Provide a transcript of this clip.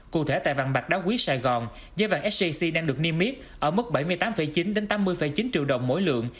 cụ thể tại vàng bạc đá quý sài gòn giá vàng sjc đang được niêm yết ở mức bảy mươi tám chín tám mươi chín triệu đồng mỗi lượng